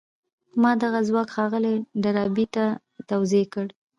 ما دغه ځواک ښاغلي ډاربي ته توضيح کړ.